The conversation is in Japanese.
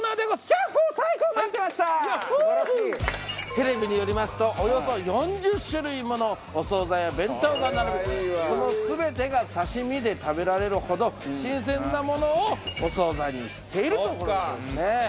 テレビによりますとおよそ４０種類ものお惣菜や弁当が並びその全てが刺身で食べられるほど新鮮なものをお惣菜にしているという事ですね。